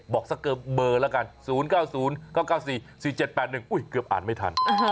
บอกสักเกิดเบอร์ละกัน๐๙๐๙๙๔๔๗๘๑อุ๊ยเกือบอ่านไม่ทัน